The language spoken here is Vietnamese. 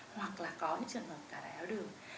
hoặc là có những trường hợp cả đại học đường